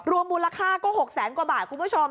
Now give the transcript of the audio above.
รวมมูลค่าก็๖๐๐๐๐๐กว่าบาทคุณผู้ชม